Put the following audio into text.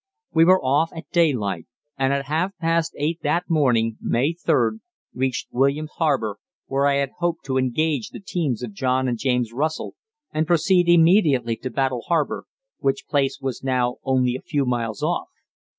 We were off at daylight, and at half past eight that morning (May 3d) reached Williams Harbour, where I had hoped to engage the teams of John and James Russell and proceed immediately to Battle Harbour, which place was now only a few miles off.